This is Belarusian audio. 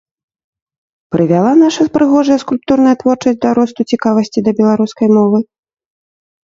Прывяла наша прыгожая скульптурная творчасць да росту цікавасці да беларускай мовы?